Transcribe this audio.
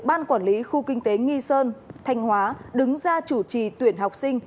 ban quản lý khu kinh tế nghi sơn thanh hóa đứng ra chủ trì tuyển học sinh